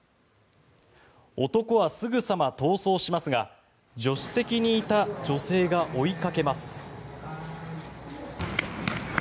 男はすぐさま逃走しますが助手席にいた女性が追いかけます。